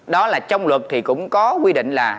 đó là trong luật thì cũng có quy định là